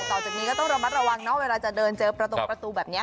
ต่อจากนี้ก็ต้องระมัดระวังเนาะเวลาจะเดินเจอประตงประตูแบบนี้